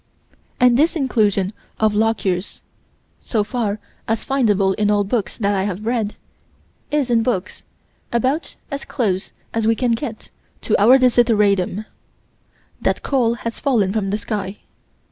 And this inclusion of Lockyer's so far as findable in all books that I have read is, in books, about as close as we can get to our desideratum that coal has fallen from the sky.